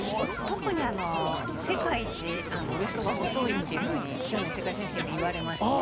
特に世界一ウエストが細いっていうふうに去年世界選手権でいわれまして。